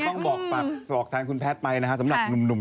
ต้องบอกฝากทางคุณแพดไปนะสำหรับหนุ่ม